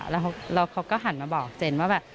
แล้วเขาก็หันมาบอกเจนว่าแบบ